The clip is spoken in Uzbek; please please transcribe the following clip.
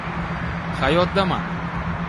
Hayotdaman